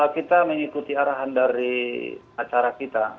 kita mengikuti arahan dari acara kita